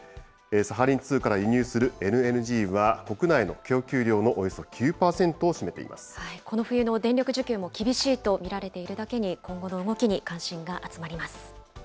サハリン２から輸入するＬＮＧは、国内の供給量のおよそ９％を占めこの冬の電力需給も厳しいと見られているだけに、今後の動きに関心が集まります。